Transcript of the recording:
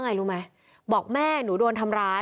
เย็น